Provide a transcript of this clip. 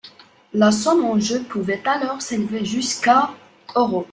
La somme en jeu pouvait alors s'élever jusqu'à €.